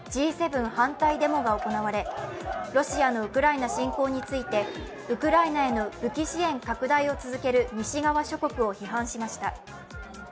反対デモが行われ、ロシアのウクライナ侵攻についてウクライナへの武器支援拡大を続ける西側諸国を批判しました。